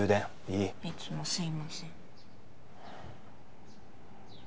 いつもすいません